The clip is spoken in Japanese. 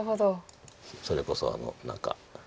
それこそ何か。